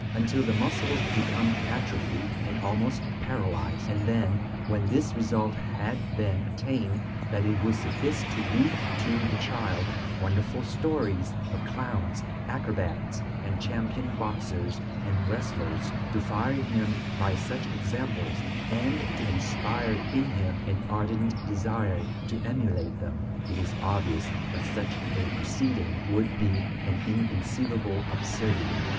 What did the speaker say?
until the muscles become atrophied and almost paralyzed; and then, when this result had been attained, that it would suffice to read to the child wonderful stories of clowns, acrobats and champion boxers and wrestlers, to fire him by such examples, and to inspire in him an ardent desire to emulate them. It is obvious that such a proceeding would be an inconceivable absurdity.